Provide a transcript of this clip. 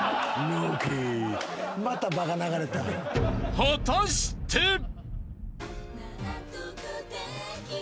［果たして？］あ！